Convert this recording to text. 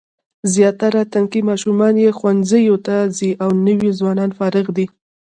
زیاتره تنکي ماشومان یې ښوونځیو ته ځي او نوي ځوانان فارغ دي.